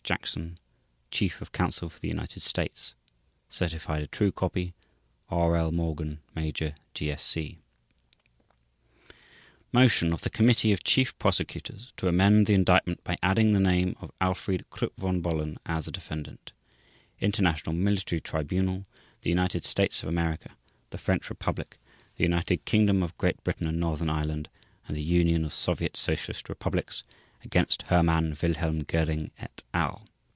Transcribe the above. JACKSON Chief of Counsel for the United States Certified a true copy: /s/ R. L. MORGAN Major, GSC MOTION OF THE COMMITTEE OF CHIEF PROSECUTORS TO AMEND THE INDICTMENT BY ADDING THE NAME OF ALFRIED KRUPP VON BOHLEN AS A DEFENDANT INTERNATIONAL MILITARY TRIBUNAL THE UNITED STATES OF AMERICA, THE FRENCH REPUBLIC, THE UNITED KINGDOM OF GREAT BRITAIN AND NORTHERN IRELAND, and THE UNION OF SOVIET SOCIALIST REPUBLICS — against — HERMANN WILHELM GÖRING, et al.